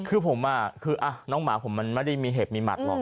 คือผมคือน้องหมาผมมันไม่ได้มีเห็บมีหมัดหรอก